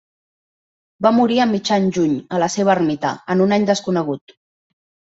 Va morir a mitjan juny a la seva ermita, en un any desconegut.